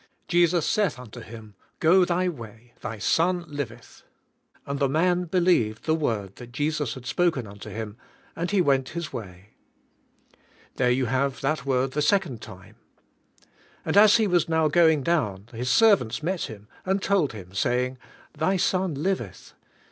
Jesus saith unto him. Go thy way; thy son liveth. And the man believed the word that Jesus had spoken unto him, and he went his way." There you have that word the second time. "And as he was now going down, his servants met him, and told him, saying, Th}^ son liveth.